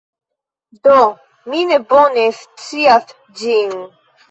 Do, mi ne bone scias ĝin